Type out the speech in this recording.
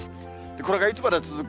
これがいつまで続くか。